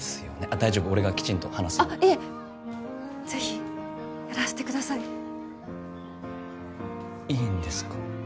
大丈夫俺がきちんと話すんであっいえぜひやらせてくださいいいんですか？